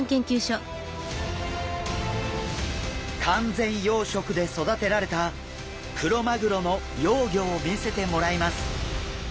完全養殖で育てられたクロマグロの幼魚を見せてもらいます。